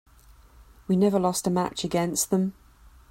We never lost a match against them.